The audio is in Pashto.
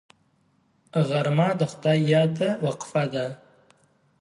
غرمه د خدای یاد ته وقفه ده